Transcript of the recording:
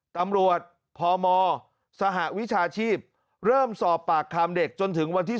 ตำรวจพมสหวิชาชีพเริ่มสอบปากคำเด็กจนถึงวันที่๑